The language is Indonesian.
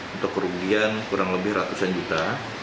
untuk kerugian kurang lebih ratusan juta